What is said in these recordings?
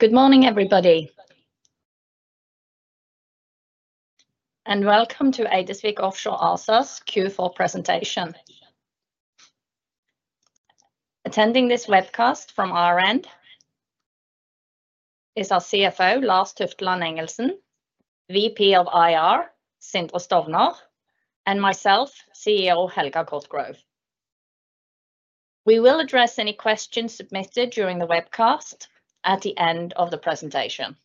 Good morning, everybody. Welcome to Eidesvik Offshore ASA's Q4 presentation. Attending this webcast from our end is our CFO, Lars Tufteland Engelsen, VP of IR, Sindre Stovner, and myself, CEO Helga Cotgrove. We will address any questions submitted during the webcast at the end of the presentation.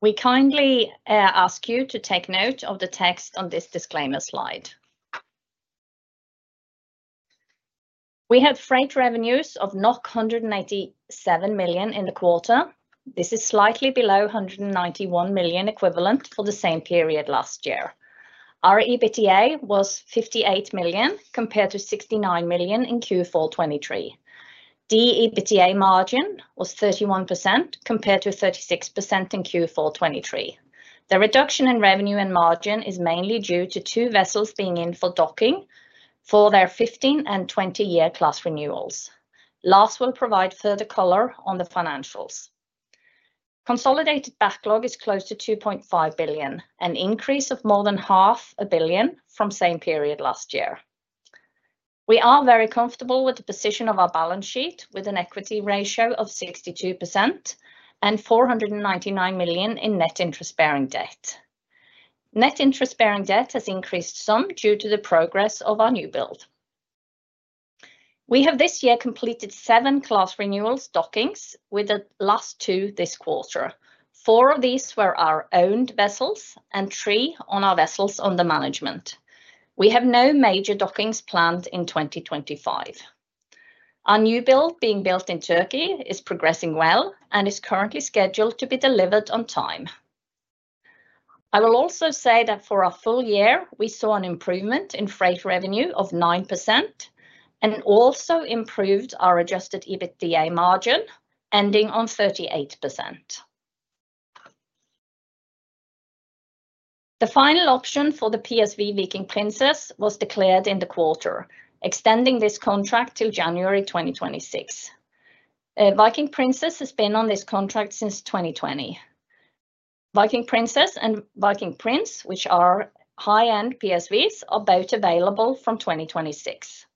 We kindly ask you to take note of the text on this disclaimer slide. We had freight revenues of 187 million in the quarter. This is slightly below 191 million equivalent for the same period last year. Our EBITDA was 58 million compared to 69 million in Q4 2023. The EBITDA margin was 31% compared to 36% in Q4 2023. The reduction in revenue and margin is mainly due to two vessels being in for docking for their 15 and 20-year class renewals. Lars will provide further color on the financials. Consolidated backlog is close to 2.5 billion, an increase of more than 500 million from the same period last year. We are very comfortable with the position of our balance sheet with an equity ratio of 62% and 499 million in net interest-bearing debt. Net interest-bearing debt has increased some due to the progress of our new build. We have this year completed seven class renewal dockings with the last two this quarter. Four of these were our owned vessels and three on our vessels under management. We have no major dockings planned in 2025. Our new build being built in Turkey is progressing well and is currently scheduled to be delivered on time. I will also say that for our full year, we saw an improvement in freight revenue of 9% and also improved our adjusted EBITDA margin ending on 38%. The final option for the PSV Viking Princess was declared in the quarter, extending this contract till January 2026. Viking Princess has been on this contract since 2020. Viking Princess and Viking Prince, which are high-end PSVs, are both available from 2026.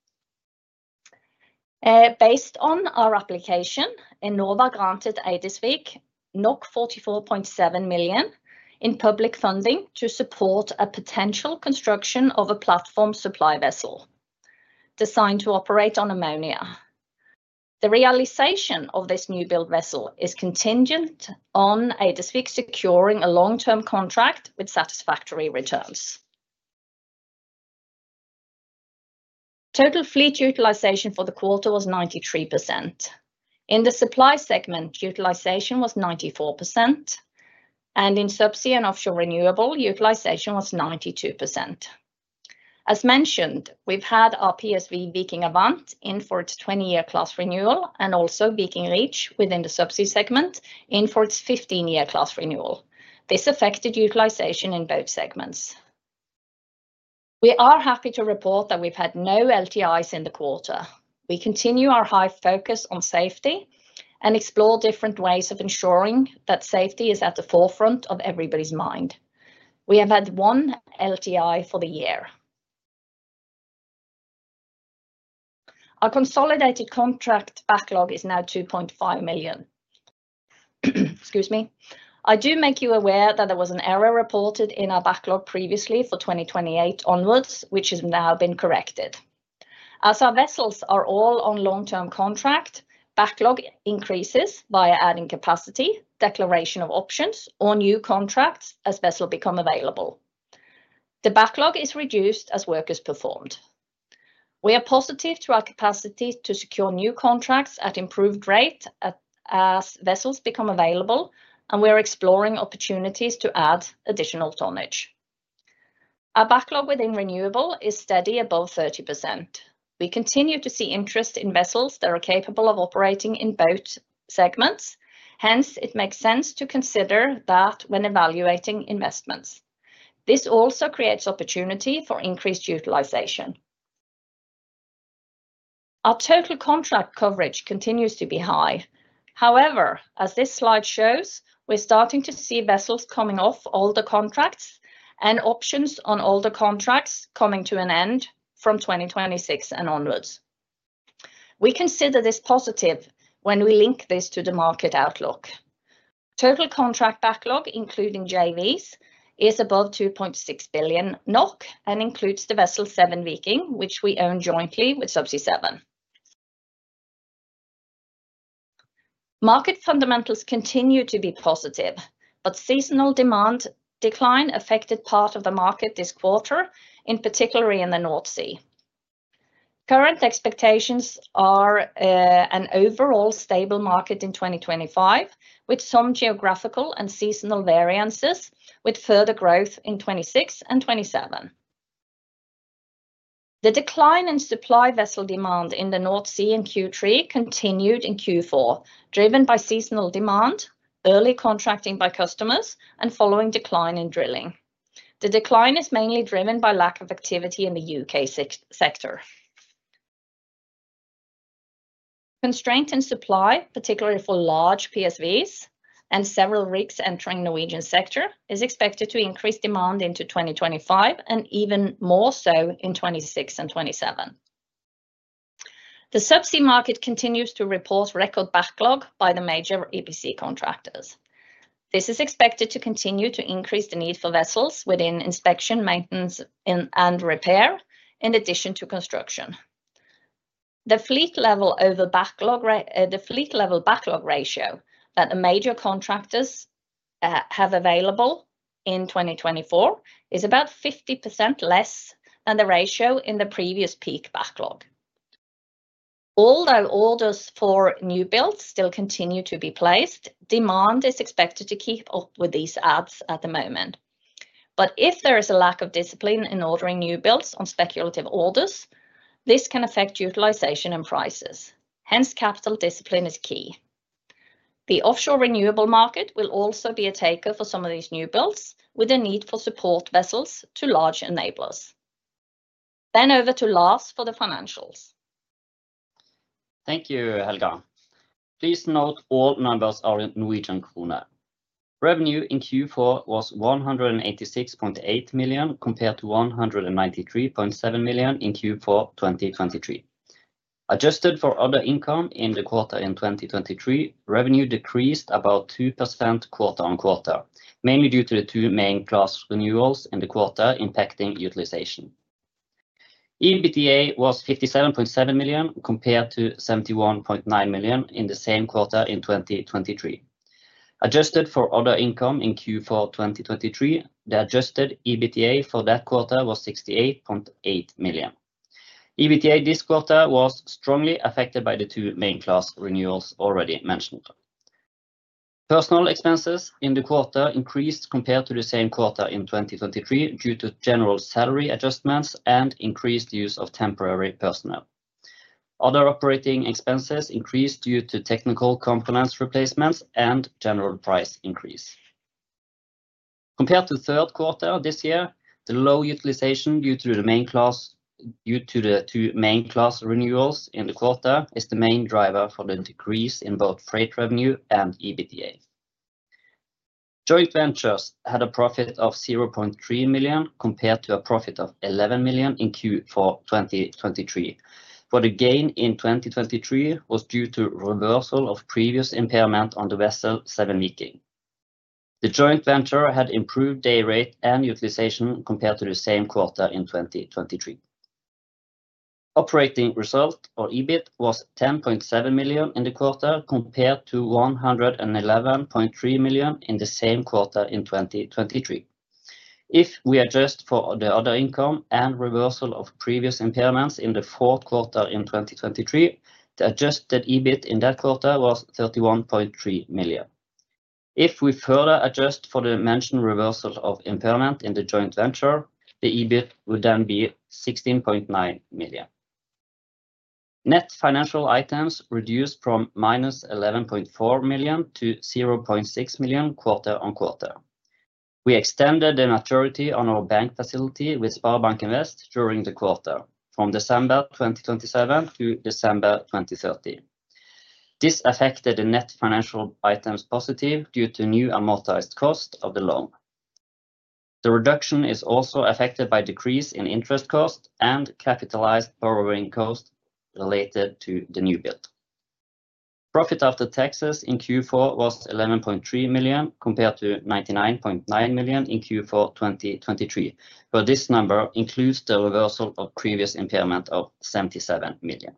Based on our application, Enova granted Eidesvik 44.7 million in public funding to support a potential construction of a platform supply vessel designed to operate on ammonia. The realization of this new build vessel is contingent on Eidesvik securing a long-term contract with satisfactory returns. Total fleet utilization for the quarter was 93%. In the supply segment, utilization was 94%, and in subsea and offshore renewable, utilization was 92%. As mentioned, we've had our PSV Viking Avant in for its 20-year class renewal and also Viking Reach within the subsea segment in for its 15-year class renewal. This affected utilization in both segments. We are happy to report that we've had no LTIs in the quarter. We continue our high focus on safety and explore different ways of ensuring that safety is at the forefront of everybody's mind. We have had one LTI for the year. Our consolidated contract backlog is now 2.5 million. Excuse me. I do make you aware that there was an error reported in our backlog previously for 2028 onwards, which has now been corrected. As our vessels are all on long-term contract, backlog increases via adding capacity, declaration of options, or new contracts as vessels become available. The backlog is reduced as work is performed. We are positive to our capacity to secure new contracts at improved rate as vessels become available, and we are exploring opportunities to add additional tonnage. Our backlog within renewable is steady above 30%. We continue to see interest in vessels that are capable of operating in both segments. Hence, it makes sense to consider that when evaluating investments. This also creates opportunity for increased utilization. Our total contract coverage continues to be high. However, as this slide shows, we're starting to see vessels coming off older contracts and options on older contracts coming to an end from 2026 and onwards. We consider this positive when we link this to the market outlook. Total contract backlog, including JVs, is above 2.6 billion NOK and includes the vessel Seven Viking, which we own jointly with Subsea 7. Market fundamentals continue to be positive, but seasonal demand decline affected part of the market this quarter, in particular in the North Sea. Current expectations are an overall stable market in 2025, with some geographical and seasonal variances, with further growth in 2026 and 2027. The decline in supply vessel demand in the North Sea in Q3 continued in Q4, driven by seasonal demand, early contracting by customers, and following decline in drilling. The decline is mainly driven by lack of activity in the U.K. sector. Constraint in supply, particularly for large PSVs and several rigs entering the Norwegian sector, is expected to increase demand into 2025 and even more so in 2026 and 2027. The subsea market continues to report record backlog by the major EPC contractors. This is expected to continue to increase the need for vessels within inspection, maintenance, and repair, in addition to construction. The fleet-level backlog ratio that the major contractors have available in 2024 is about 50% less than the ratio in the previous peak backlog. Although orders for new builds still continue to be placed, demand is expected to keep up with these adds at the moment. If there is a lack of discipline in ordering new builds on speculative orders, this can affect utilization and prices. Hence, capital discipline is key. The offshore renewable market will also be a taker for some of these new builds, with a need for support vessels to large enablers. Over to Lars for the financials. Thank you, Helga. Please note all numbers are in Norwegian kroner. Revenue in Q4 was 186.8 million compared to 193.7 million in Q4 2023. Adjusted for other income in the quarter in 2023, revenue decreased about 2% quarter on quarter, mainly due to the two main class renewals in the quarter impacting utilization. EBITDA was 57.7 million compared to 71.9 million in the same quarter in 2023. Adjusted for other income in Q4 2023, the adjusted EBITDA for that quarter was 68.8 million. EBITDA this quarter was strongly affected by the two main class renewals already mentioned. Personnel expenses in the quarter increased compared to the same quarter in 2023 due to general salary adjustments and increased use of temporary personnel. Other operating expenses increased due to technical components replacements and general price increase. Compared to third quarter this year, the low utilization due to the main class, due to the two main class renewals in the quarter, is the main driver for the decrease in both freight revenue and EBITDA. Joint ventures had a profit of 0.3 million compared to a profit of 11 million in Q4 2023. For the gain in 2023 was due to reversal of previous impairment on the vessel Seven Viking. The joint venture had improved day rate and utilization compared to the same quarter in 2023. Operating result or EBIT was 10.7 million in the quarter compared to 111.3 million in the same quarter in 2023. If we adjust for the other income and reversal of previous impairments in the fourth quarter in 2023, the adjusted EBIT in that quarter was 31.3 million. If we further adjust for the mentioned reversal of impairment in the joint venture, the EBIT would then be 16.9 million. Net financial items reduced from minus 11.4 million to 0.6 million quarter on quarter. We extended the maturity on our bank facility with SpareBank 1 during the quarter from December 2027 to December 2030. This affected the net financial items positive due to new amortized cost of the loan. The reduction is also affected by decrease in interest cost and capitalized borrowing cost related to the new build. Profit after taxes in Q4 was 11.3 million compared to 99.9 million in Q4 2023, where this number includes the reversal of previous impairment of 77 million.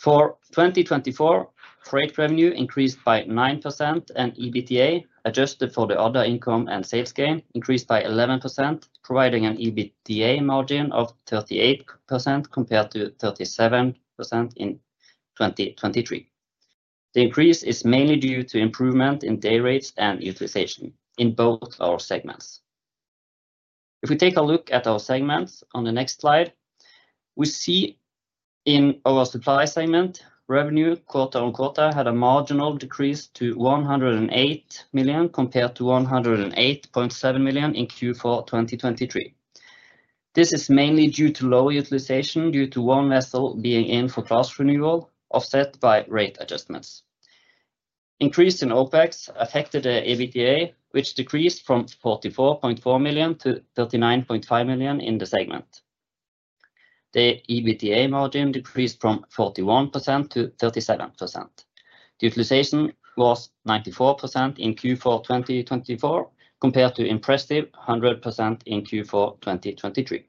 For 2024, freight revenue increased by 9%, and EBITDA, adjusted for the other income and sales gain, increased by 11%, providing an EBITDA margin of 38% compared to 37% in 2023. The increase is mainly due to improvement in day rates and utilization in both our segments. If we take a look at our segments on the next slide, we see in our supply segment, revenue quarter on quarter had a marginal decrease to 108 million compared to 108.7 million in Q4 2023. This is mainly due to low utilization due to one vessel being in for class renewal, offset by rate adjustments. Increase in OPEX affected the EBITDA, which decreased from 44.4 million to 39.5 million in the segment. The EBITDA margin decreased from 41% to 37%. Utilization was 94% in Q4 2024 compared to impressive 100% in Q4 2023.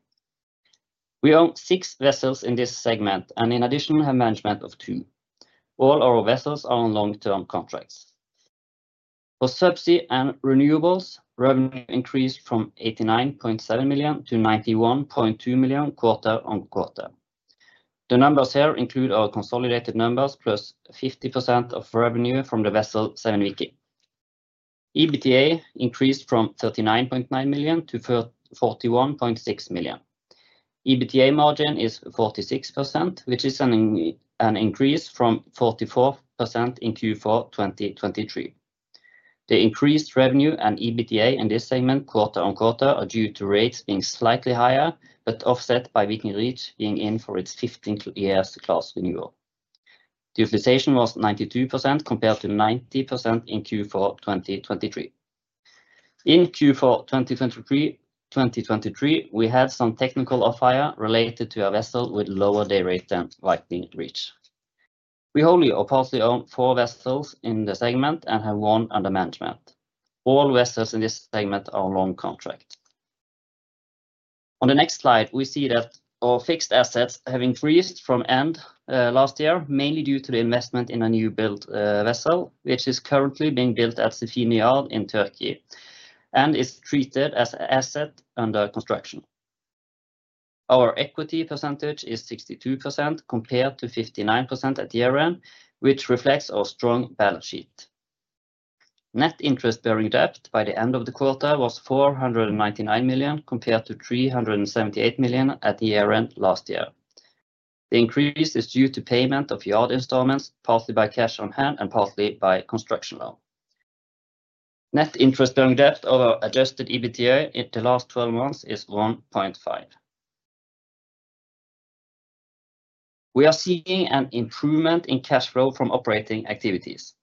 We own six vessels in this segment and in addition have management of two. All our vessels are on long-term contracts. For subsea and renewables, revenue increased from 89.7 million to 91.2 million quarter on quarter. The numbers here include our consolidated numbers plus 50% of revenue from the vessel Seven Viking. EBITDA increased from 39.9 million to 41.6 million. EBITDA margin is 46%, which is an increase from 44% in Q4 2023. The increased revenue and EBITDA in this segment quarter on quarter are due to rates being slightly higher, but offset by Viking Reach being in for its 15th-year class renewal. Utilization was 92% compared to 90% in Q4 2023. In Q4 2023, we had some technical off-hire related to a vessel with lower day rate than Viking Reach. We wholly or partially own four vessels in the segment and have one under management. All vessels in this segment are long contract. On the next slide, we see that our fixed assets have increased from end last year, mainly due to the investment in a new build vessel, which is currently being built at Sefine Shipyard in Turkey and is treated as an asset under construction. Our equity percentage is 62% compared to 59% at year-end, which reflects our strong balance sheet. Net interest-bearing debt by the end of the quarter was 499 million compared to 378 million at year-end last year. The increase is due to payment of yard installments, partly by cash on hand and partly by construction loan. Net interest-bearing debt over adjusted EBITDA in the last 12 months is 1.5. We are seeing an improvement in cash flow from operating activities.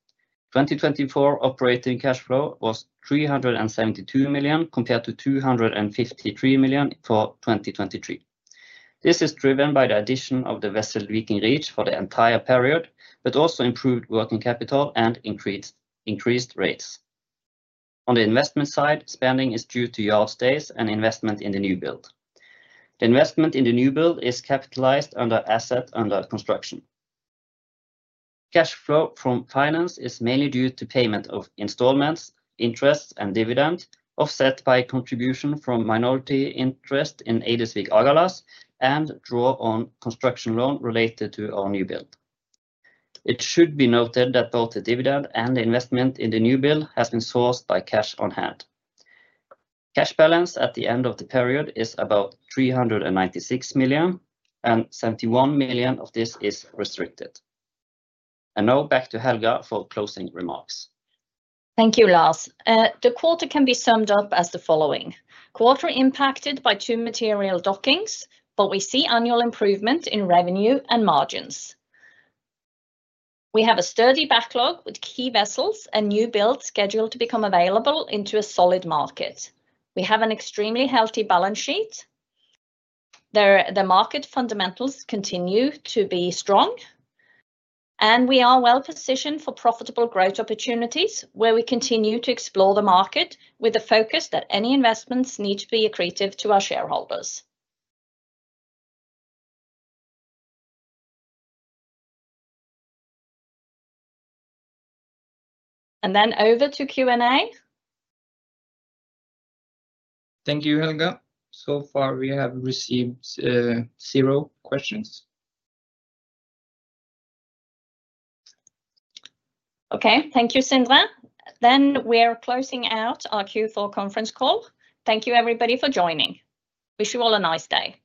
2024 operating cash flow was 372 million compared to 253 million for 2023. This is driven by the addition of the vessel Viking Reach for the entire period, but also improved working capital and increased rates. On the investment side, spending is due to yard stays and investment in the new build. The investment in the new build is capitalized under asset under construction. Cash flow from finance is mainly due to payment of installments, interest, and dividend, offset by contribution from minority interest in Eidesvik Agalas and draw on construction loan related to our new build. It should be noted that both the dividend and the investment in the new build has been sourced by cash on hand. Cash balance at the end of the period is about 396 million, and 71 million of this is restricted. Now back to Helga for closing remarks. Thank you, Lars. The quarter can be summed up as the following: quarter impacted by two material dockings, but we see annual improvement in revenue and margins. We have a sturdy backlog with key vessels and new builds scheduled to become available into a solid market. We have an extremely healthy balance sheet. The market fundamentals continue to be strong, and we are well positioned for profitable growth opportunities where we continue to explore the market with the focus that any investments need to be accretive to our shareholders. Then over to Q&A. Thank you, Helga. So far, we have received zero questions. Okay, thank you, Sindre. We are closing out our Q4 conference call. Thank you, everybody, for joining. Wish you all a nice day.